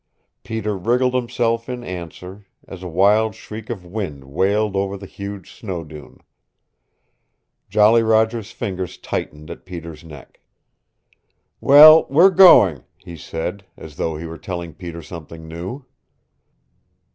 Peter wriggled himself in answer, as a wild shriek of wind wailed over the huge snow dune. Jolly Roger's fingers tightened at Peter's neck. "Well, we're going," he said, as though he was telling Peter something new.